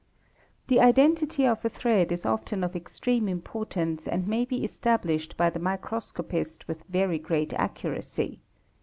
The identity of a thread is often of extreme importance and may be established by the microscopist with very great accuracy.